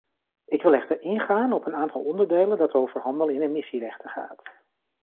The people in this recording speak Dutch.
Ik wil echter ingaan op een aantal onderdelen dat over handel in emissierechten gaat.